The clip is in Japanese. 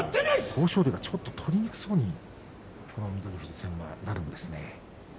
豊昇龍はちょっと取りにくそうにしているんですね。